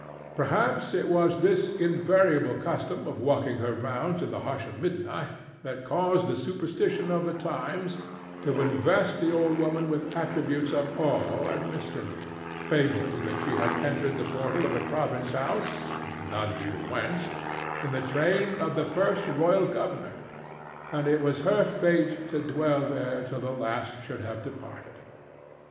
Perhaps it was this invariable custom of walking her rounds in the hush of midnight that caused the superstition of the times to invest the old woman with attributes of awe and mystery, fabling that she had entered the portal of the province house—none knew whence—in the train of the first royal governor, and that it was her fate to dwell there till the last should have departed.